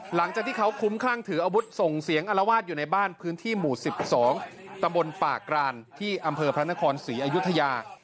หลังจากที่เขาคุ้มคลั่งถืออาวุธส่งเสียงอลวาดอยู่ในบ้านพื้นที่หมู่๑๒ตำบลปากกรานที่อำเภอพระนครศรีอยุธยา